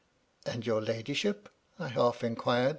" And your ladyship —" I half inquired.